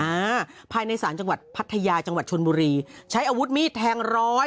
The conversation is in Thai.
อ่าภายในศาลจังหวัดพัทยาจังหวัดชนบุรีใช้อาวุธมีดแทงร้อย